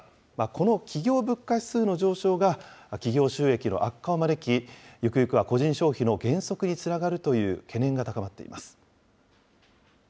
この企業物価指数の上昇が、企業収益の悪化を招き、ゆくゆくは個人消費の減速につながるという懸念が高まっています。